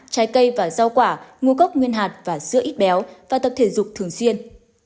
trái cây và rau quả ngu cốc nguyên hạt và sữa ít béo và tập thể dục thường xuyên